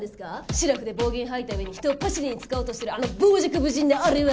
シラフで暴言吐いた上に人をパシリに使おうとしてるあの傍若無人なあれは！